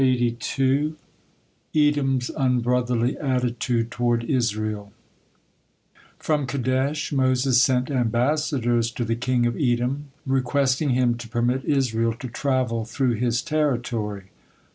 EDOM'S UNBROTHERLY ATTITUDE TOWARD ISRAEL From Kadesh Moses sent ambassadors to the king of Edom, requesting him to permit Israel to travel through his territory.